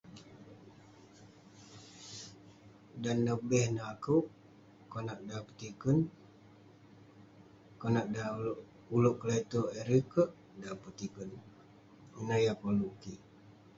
Dan neh beh neh akouk..konak dan petikern, konak dan ulouk kle'terk erei kerk dan petikern..ineh yah koluk kik..